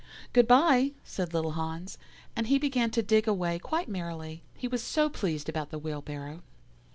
"'Good bye,' said little Hans, and he began to dig away quite merrily, he was so pleased about the wheelbarrow.